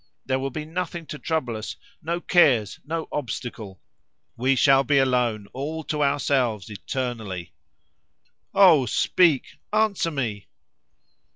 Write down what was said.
There will be nothing to trouble us, no cares, no obstacle. We shall be alone, all to ourselves eternally. Oh, speak! Answer me!"